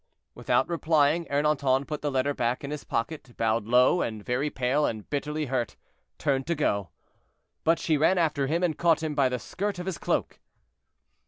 Without replying, Ernanton put the letter back in his pocket, bowed low, and, very pale and bitterly hurt, turned to go. But she ran after him, and caught him by the skirt of his cloak.